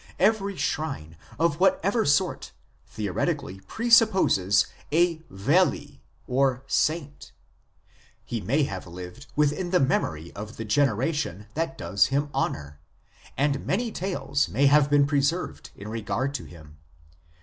" Every shrine, of whatever sort, theoretically presupposes a well or saint. He may have lived within the memory of the generation that does him honour, and many tales may have been preserved in regard to him.